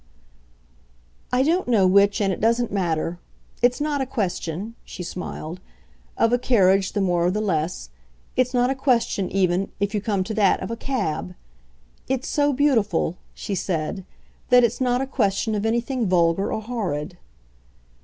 "I don't know which, and it doesn't matter. It's not a question," she smiled, "of a carriage the more or the less. It's not a question even, if you come to that, of a cab. It's so beautiful," she said, "that it's not a question of anything vulgar or horrid."